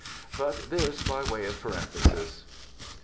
But this by way of parenthesis.)